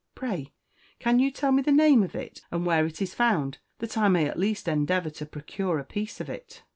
Pray, can you tell me the name of it, and where it is found, that I may at least endeavour to procure a piece of it."